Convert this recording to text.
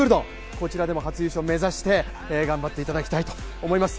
そちらでも初優勝を目指して頑張っていただきたいと思います。